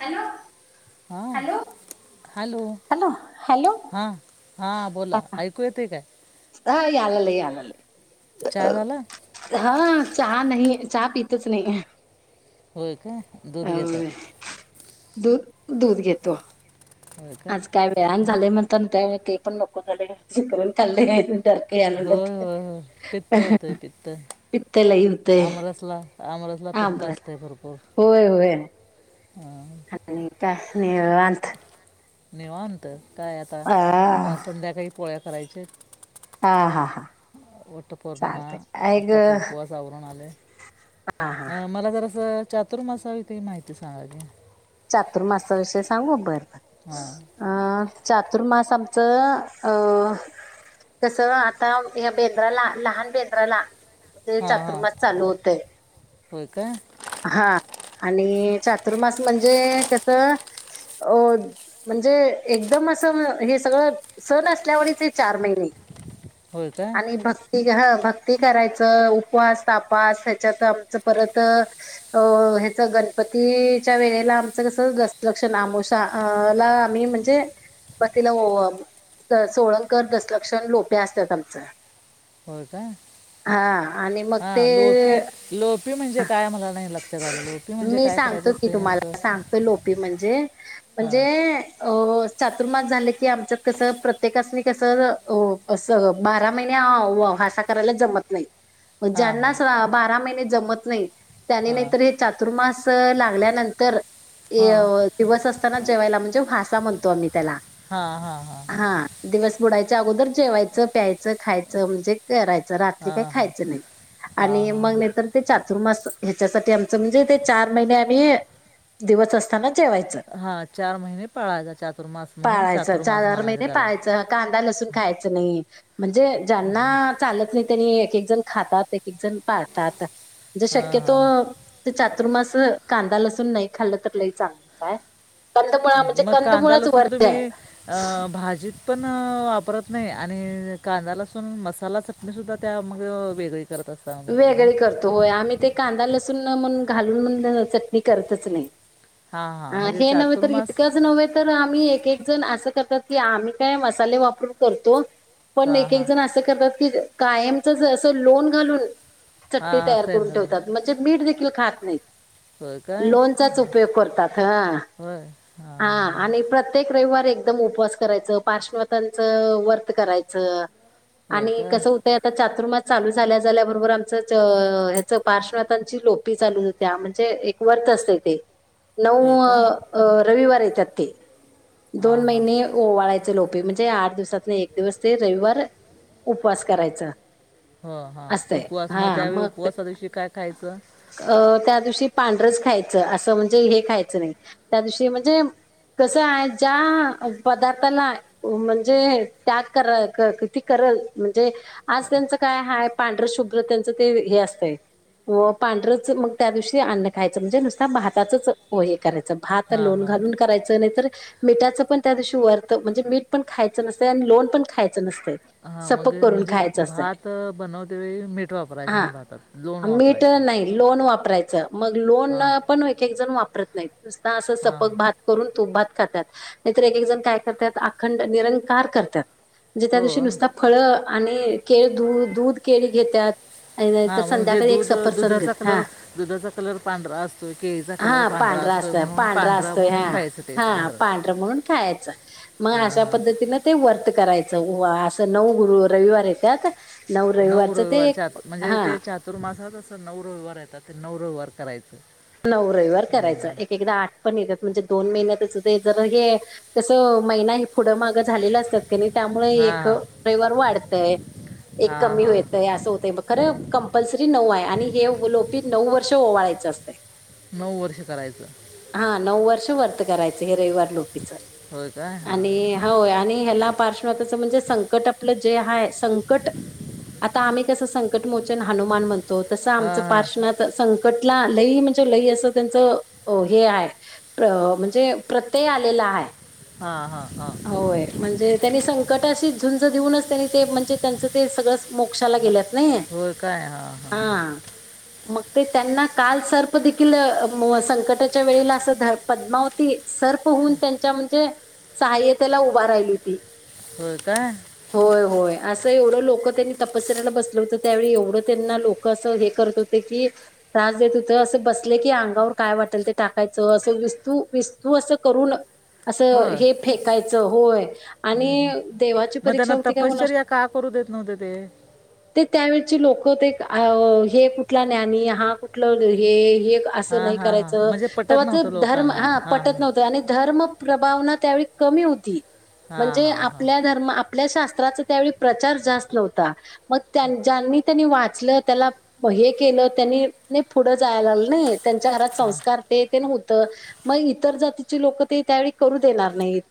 Hello. आ. Hello hello. Hello hello हा हा बोला ऐकू येते काय? हा यालाले यालाले चहा झाला हा. चहा नाही. चहा पितच नाही होय काय दुध घेताय. दू दूध घेतो. होय का आज काय वेळा न झाले म्हणता ते पण नको झाले. शिकरण खाल्ले. डर्क या होय लागल्यात. होय होय पित्त होतं आहे पित्त पित्त लय होतंय. आमरसला आमरसला पित्त असते भरपूर. होय होय काय म्हणता निवांत? निवांत. काय आता हा संध्याकाळी पोळ्या करायचे. हा हा हा. वटपौर्णिमा चालतय आत्ता ऐक उपवास आवरण आले. अं मला जर असं चातुर्मासा विषयी माहिती सांगा की. चातुर्मासा विषय सांगू बरं. हम चातुर्मास आमचं कस आता या बेंद्राला लहान बेंद्राला म्हणे हां हां चातुर्मास चालू होतय होय का हा आणि चातुर्मास म्हणजे कस अ म्हणजे एकदम असं हे सगळं सण असल्या वचे चार महिने होय का आणि भक्ती ह भक् ते करायचं उपवास तपास हच्यात आमच परत अ ह्याचा गणपती च्या वेळेला आमचं कसक्षण आमोषा ला आम्ही म्हणजे बस तिला सोळंकर दसलक्ष लोपे असतात आमच हो का आणि मग ते हां लोपी लोपी म्हणजे काय मला नाही लक्षात आलं लोपी म्हणजे मी काय करायचं सांगतो मी असतं नेमकं तुम्हाला सांगतो लोपी म्हणजे म्हणजे हां चातुर्मास झाले की आमच्यात कस प्रत्येकासनी कस अस बारा महि हो हासा करायला जमत नाही हां हां ज्यांना बारा महिने जमत नाही त्यांनी नाहीत हे हां चातुर्मास लागल्या नंतर दिवस असताना जेवायला म्हणजे भासा म्हणतो आम्ही ला हां हां हां हा दिवस बुडायच्या अगोदर जेवायचं प्यायचं खायचं म्हणजे करायचं रात्री काही हां हां हां खायच नाही हां आणि हां मग नाही तरर ते चचुर्मास ह्याच्यासाठी आमचं म्हणजे ते चार महिने आम्ही दिवस असताना वायच हां हां चार महिने पाळायचा चातुर्मास म्हणून पाळायचं च चातुर्मास म्हणायचं महिने त्याला पाळायच कांदा ल खायचं नाही म्हणजे ज्यांना चालत नाही त्यांनी एक एक जण खातात एक एक जण पाळतात ज हां शक्यतो हां चातुर्मास कांदा ल खल् च मग कांदा लसून तुम्ही भाजीत पण वापरत नाही आणि कांदा्यालासून मसाला चटणीसुद्धा त्यामध्ये वेगळी करत असता मग तुम्ही वेगळे करतो होय आम्ही ते कांदा लसूणण घालूनण चटणी करतच नाही हां हां अ म्हणजे हे नव्हे तर चातुर्मास इतकंच नव्हे तर आम्ही एक जण असं करतात की आम्ही काय मसाले वापरून करतो पण हां एक एक हां जण असं करतात की कायमचच असं लोन घालून चट्टी हां तयार करून सेंदलून ठेवतात म्हणजे मीठ देखील खात होय नाहीत काय लोनचाच हां उपयोग करतात हं होय हां हा हां हां आणि प्रत्येक रविवारी एकदम उपवास करायचं पार्श्वतांचं व्रत करायचं होय आणि काय कसं होतंय आता चातुर्मा चालू झाल्या झाल्याबरोबर आमच पार्श्वातांची लोपी चालू होत्या म्हणजे एक वर्त असते ते नव होय काय अ अह रविवार यतात हां दोन हां महिने ओ वाढयचे लोपे म्हणजे आठ दिवसात एक दिवस ते रविवार उपवास करायचा हो हा असतंय उपवास मग हा त्यावेळी ते उपवासा दिवशी काय खायचं पांढरच खायचं असं म्हणजे हे खायचं नाही त्या दिवशी म्हणजे कस आहे ज्या पदार्थाला म्हणजे त्याग क किती क म्हणजे आज त्यांचं काय ह पांढर शुभ्र त्यांचं ते हे असतंय पांढरच मग त्या दिवशी अन्न खायचं म्हणजे नुसता भाताच हे करायचं ह आ हां लोन हां घालून करायचं नाही तर मिठाच पण त्या दिवशी वर्थ म्हणजे मीठ पण खायचं नसतें आणि लोण पण खायचं नसते हा मगे म्हणजे भात बनवते मीठ क वापरायचं हा नाही भहतात लोन मीठ वापरायचं नाही लोण वापरायचं मग लोन हां अ पण एक एकजण वापरत नाही, नुसतं असं हां सपक भात करून तूप भात खात्यात, नाहीतर एक एक जण काय करतात अखंड निरंकार करतात. म्हणजे त्या दिवशी होय नुसता फळ आणि केळ दूध, दूध केळी घेतात. आणि तर हा म्हणजे संध्याकाळी एक दूध सफरचंद घेत दुधाचा कलर हा दुधाचा कलर पांढरा असतो केळीचा कलर पांढरा अस अस पांढरा असतोय हा, हा पांढरं म्हणून खायाचं, मग हां अशा हां पद्धतीनं ते वर्त करायचं, व असं नऊ रविवार येत्यात, नऊ रविवारचं ते एक चातु म्हणजे हा ते चातुर्मासात असं नऊ रविवार येतात, ते नऊ रविवार करा नऊ रविवार करायचं, एक एकदा आठ पण येत्यात. म्हणजे दोन महिन्याच ते जर हे, तसं महिना हे पुढं माग ग झालेलं असतात क नाही त्यामुळे हां एक हां रविवार वाढतंय. एक हां कमी हां होेतंय असं होतंय मग खरं कंपल्सरी नऊ आहे, आणि हे लोपीत नऊ वर्ष ओवाळा च असतंय. नऊ वर्ष करायचं. हा नऊ वर्ष वर्त करायचं हे रविवार लोपीचं होय काय हां आणि होय आणि हेला पार्शवाताचं म्हणजे संकट आपलं जे आहे, संकट आता आम्ही कसं संकट मोचन हनुमान म्हण तो तसं आमच हां हां पार्षणात संकटला आलंही म्हणजे लई अस त्यांच हे आहे. म्हणजे प्रत्यय आलेला आहे. हा. हा. होय म्हणजे. त्यांनी संकट अशी. झुंज देऊनच त्यांनी ते म्हणजे त्यांचं ते सगळंच मोक्षाला गेल्यात. नाही हो काय हा. हा. हा. मग ते त्यांना काल सर्प देखील संकटाच्या वेळेला अस पद्मावती. सर्प होउन त्यांच्या म्हणजे. सहायतेला उभ राहिली होती. हो काय. होय, होय. असं एवढं लोक त्यांनी तपसर्याला बसलं होतं. त्यावेळी एवढं त्यांना लोक असं हे करत होते की. त्रास देत होत. असं बसले की अंगावर काय वाटेल ते टाकायचं. असं विस्तू-विस्तू असं करून. असं होय हे फेकायचं होय आणि देवाची मग परीक्षा त्यांना होती काय कुणास ठाऊक. तपश्चर्या का करू देत नव्हते ते ते त्यावेळची लोक. हे कुठला ज्ञानी. हा कुठला. हे. हे. अस हां नाही हां करायच. हां म्हणजे पटत तेव्हा ते नव्हतं धर्म लोकांना हा हां पटत नव्हत. आणि धर्म प्रबावना त्यावेळी कमी होती. हां म्हणजे हां हां आपल्या धर्मात. शास्त्रात. त्यावेळीला प्रचार जास्त नव्हता. मग त्या- ज्यांनी त्यांनी वाद. वाच त्याला हे केलं. त्यांनी नाही पुढं जायला लागल नई. त्यांच्या घरात हां संस्कार ते तेन होत. मग इतर जातीचे लोक ते त्यावेळी करू देणार नाहीत.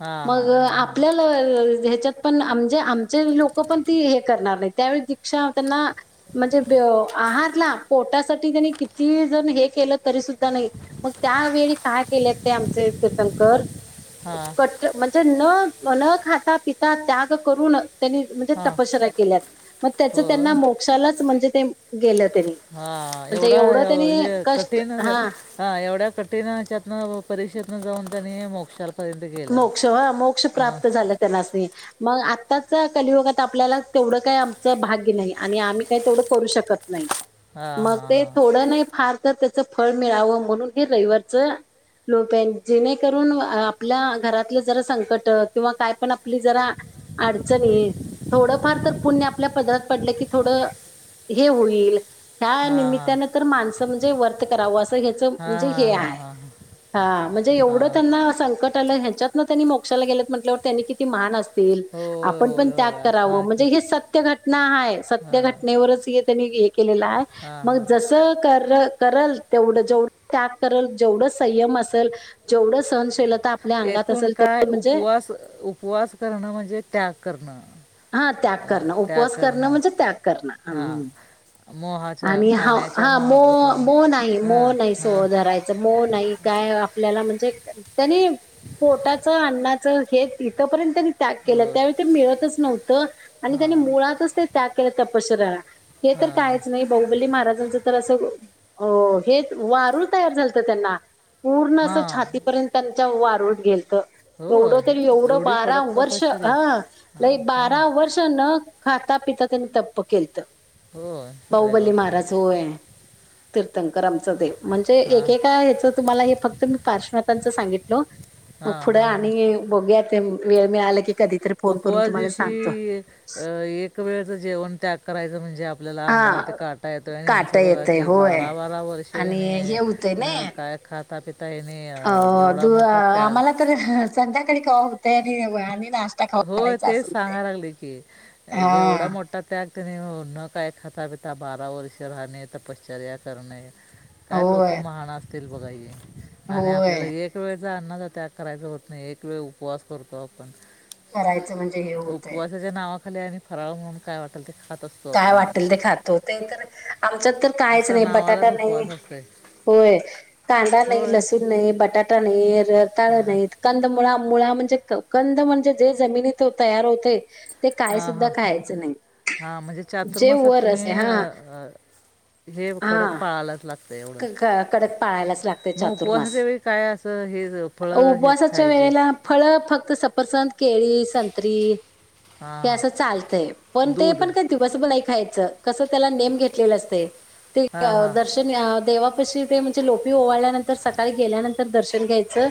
हां हां मग हां हां आपल्याला ह्याच्यात. पण आमचे लोक पण ते हे करणार नाहीत. त्यावे दक्षा त्यांना म्हणजे. हा पोटासाठी त्यांनी किती जण हे केलं तरी सुद्धा नाही. मग त्यावेळी काय केल. आमचे कीर्तनकर. हां हां कट्ट म्हणजे न न खाता पिता त्याग करून त्यांनी म्हणजे हां तपशचर्या केल्यात, मग त्याचं त्यांना होय मोक्षालाच म्हणजे ते गेलंत. हा एवढा हे कष्ट कठीण हा हा एवढ्या कठीणच्यातनं परी क्षेतनं ‌ जाऊन त्यांनी मोक्षाला मोक्ष होय मोक्ष प्राप्त झालं त्यांनासनि. मग आत्ताच कलियुगात आपल्याला तेवढं काही आमचं भाग्य नाही आणि आम्ही काही तेवढं करू शकत नाही. हा मग हा ते हा थोडं नाही फार तर क च फळ मिळावं म्हणून हे रविवारचं लोप हाय, जेणेकरून आ आपल्या घरातलं जरा संकटं किंवा काय पण आपली जरा अडचणी थोडंफार तर हम्म. पुण्य आपल्या पदरात पडलं की थोडं हे होईल. त्या हा हा निमित्तानं तर माणसं म्हणजे वर्त करावं अस च हेच म्हणजे हा हे हा आहे, हा हा हा म्हणजे एवढं हा त्यांना संकट त्याला ह्याचातले त्यांनी मोक्षाला गेलेत म्हटल्यावर, त्याले किती महान असतील होय आपण पण- होय त्याग होय कराव असणार की म्हणजे हे सत्य घटना आहे. हा सत्य घटनेवरच हे त्यांनी एक- केलेलं आहे. हा मग हा जस कार्य - कराल. तेवढं जेवढ त्याग कराल, जेवढं संयम असेल जेवढं सहनशीलता- आपल्या अंगात एकूण असेल काय तेवढं म्हणजे उपवास -उपवास करणं म्हणजे त्याग करणं. हा त्याग अं, करणं. त्याग उपवास करणं म्हणजे त्याग करणं. हा ह. मोहाच्या आणि ह खाण्याच्या हा मो मोहापासून मोन आहे हं, मोन आहे हं, सोधरायच मोन नाही काय, आपल्याला म्हणजे त्यांनी- पोटाच, अन्नाचं हे तिथंपर्यंत त्यांनी त्याग केला. हो, त्यावेळी ते मिळतच- नव्हत आणि त्यानी मुळातच ते त्याग केला तपश्चरयेला हे तर हं. काहीच नाही बाहुबली महाराज- तर अस, हे वारूळ तयार झालत त्यांना. पूर्ण असं हां छातीपर्यंत त्यांच्या वारूळ गेलत. एवढं होय? तरी एवढं बारा वर्ष ह. लई हां बारा वर्ष न- खाता पिता त्यांनी तप्प केलत. हो अरे बाहुबली बापरे महाराज, होय. तीर्थंकर आमचं देव. म्हणजे हां एकेका ह्याचं तुम्हाला हे फक्त मी पार्श्वथांचं सांगितलं- मग हां पुढं हां हां आणि बोलू या ते वेळ मिळाला की कधीतरी फोन करून. उपवास तुम्हाला सांगतो. दिवशी एक वेळेच जेवण त्याग करायच म्हणजे- आपल्याला अंगावरती हा काटा येतोय आणि काट यांचं बघा येतय की होय. बारा बारा वर्ष आणि याने हे होतंय नाय न काय- खाता पिता अ ‍ह्याने एवढा मोठा त्याग- संध्याकळी कवा होतय आणि वयानी [unintelligible] होय, तेच सांगाय लागली की एवढा हा मोठा त्याग- तने न काय खातापिता बारा वर्ष राहणे. तपश्चर्या करणे- काय लोक होय महान असतील बघा हे आणि होय आपल्याला एक वेळे- त्या अन्नाचा त्याग करायच होत नाही. एक वेळ उपवास करतो आपण. करायचं म्हणजे हे होतय. भले आणि फराळ म्हणून काय वाटल ते- खात असतो काय आपण वाटेल ते आम्ही खातो. ते तर आमच्यात तर- काहीच नुसता नाही नावालाच बटाटा नाही. उपवास असतोय होय, कांदा नाही, होय लसूण नाही, बटाटा नाही. हे रताळ नाहीत. कंदमूळ आम - मुळं म्हणजे, कंद म्हणजे जे जमिनीत तयार होतेय- ते काय हां सुुद्धा हां खाहायचं नाही. हां म्हणजे जे चातुर्मासात वर तुम्ही असते हा हे कडक हा पाळायलाच लाग कडक पाळायलाच लागते मग चातुर्मास. उपवासाच्या वेळी काय असं हे फळं हेच उपवासाच्या खायचे वेळे फळ फक्त सफरचंद- केळी, संत्री हां हे हां असं चालतय. पण ते दूध पण काही दिवसभर नाई खायचं. कसं त्याला नेम घेतलेला असतोय ते हां हां दर्शन- देवापाशी ते म्हणजे लोपी ओवाळल्यानंतर सकाळी गेल्यानंतर दर्शन- घ्यायचं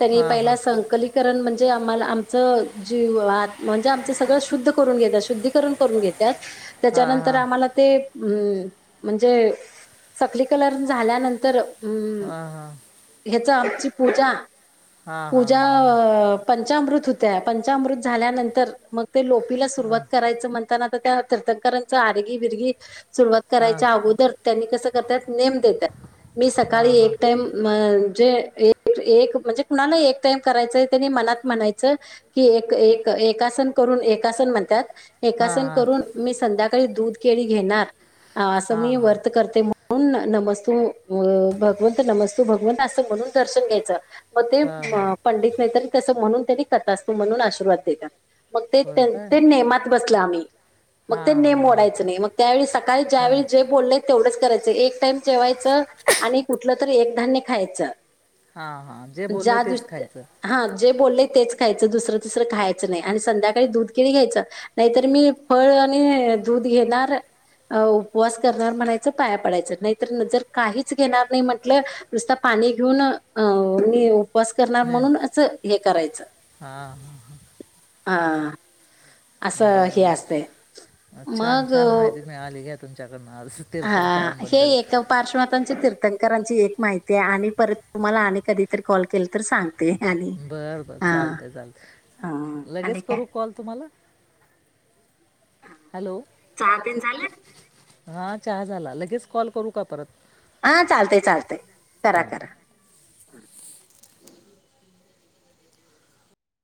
तरी हां पहिला हां [unintelligible] करण म्हणजे आम्हाला आमच जीव आ म्हणजे आमचं सगळं शुद्ध करून घेतात. शुद्धीकरण करून घेतात हां त्याच्यानंतर हां आम्हाला ते -आ- म्हणजे [unintelligible] कलर झाल्यानंतर अम हा -हा. ह्याच आमची पूजा हां -पूजा हां [unintelligible] पंचामृत होतय. पंचामृत झाल्यानंतर मग ते लोपीला सुरुवात करायचं म्हणल आ त्या तीर्थकारांच आर्गी बिरगी सुरुवात हां हां करायच्या अगोदर त्यांनी कसं करतात- [unintelligible] देतात, मी हां सकाळी हां एक टाईम म्हणजे - म्हणजे कुणाला एक टाईम करायचय त्यांनी मनात म्हणायच की एकासन करून - एका सन म्हणतात. हां एकासन करून मी संध्याकाळी दूध केळी घेणार. असं हां मी व्रत करते म्हणून नमस्तू भगवंत नमस्तू भगवंत असत म्हणून दर्शन घ्यायचं.. मग ते हां हां पंडित नाहीतरी तस म्हणून त्यांनी कट असतो म्हणून आशीर्वाद देतात... मग ते होय काय ते नेमात बसलं आम्ही... मग हां ते नेम हां मोडायचं नाही मग त्यावेळी सकाळी हां ज्यावेळी जे बोललंय तेवढंच करायचं... एक टाइम जेवायच आणि कुठलं तरी एक धान्य खायचं... हां हां जे बोलले ज्या दस तेच खायचं हा जे बोलले... तेच खायचं दुसरं तुसरं खायचं नाही आणि संध्याकाळी दूध केिली घ्यायचं नाहीतर मी फळ आणि.... दूध घेणार उपवास करणार म्हणायचं पाया.... पडायच नाही तर जर काहीच घेणार नाही म्हटलं नुसत पाणी घेऊन... उपवास करणार ने म्हणून असं हे करायचं हां हां हा... बरं असं हे बरं. असते छान मग... छान माहिती मिळाली घ्या तुमच्याकडनं आज हा हे तीर्थंकरांबद्दल एक पार्श्वातांचे तीर्थक करांजी एक माहिती आणि परत तुम्हाला आणि कधीतरी कॉल केल तर सांग... ते आणि बरं बरं हा चालतंय ह चालतंय आणि लगेच का... करू कॉल तुम्हाला चहा पिऊन झालं... हा चहा झाला लगेच कॉल करू का परत... हा चालते चालते करा हां करा...